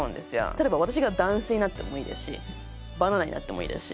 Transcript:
例えば私が男性になってもいいですしバナナになってもいいですし。